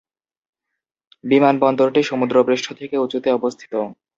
বিমানবন্দরটি সমুদ্রপৃষ্ঠ থেকে উঁচুতে অবস্থিত।